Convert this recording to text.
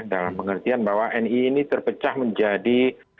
dalam pengertian bahwa nii ini terpecah menjadi